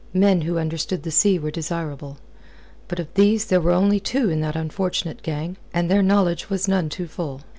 Men who understood the sea were desirable. But of these there were only two in that unfortunate gang, and their knowledge was none too full.